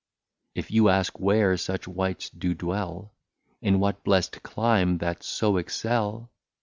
If you ask where such Wights do dwell, } In what Bless't Clime, that so excel?